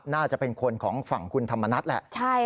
น่าจะเป็นคนของฝั่งคุณธรรมนัฐแหละ